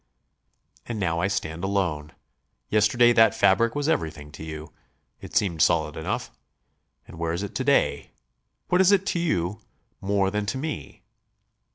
"And now I stand alone. Yesterday that fabric was everything to you; it seemed solid enough. And where is it to day? What is it to you more than to me?